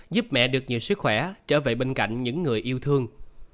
giúp mẹ được nhiều sức khỏe trở về bên cạnh những người yêu thương